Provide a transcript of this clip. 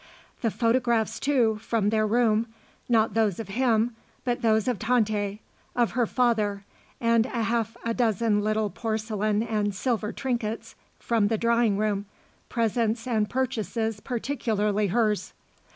The photographs, too, from their room, not those of him, but those of Tante; of her father; and a half a dozen little porcelain and silver trinkets from the drawing room, presents and purchases particularly hers.